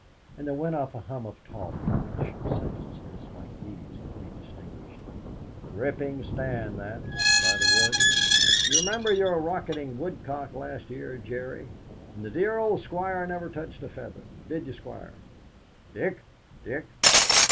And there went up a hum of talk in which sentences like these could be distinguished: "Rippin' stand that, by the wood. D'you remember your rockettin' woodcock last year, Jerry?" "And the dear old Squire never touched a feather! Did you, Squire?" "Dick Dick!